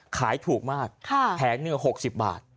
ขายถูกมากค่ะแผงนึกว่าหกสิบบาท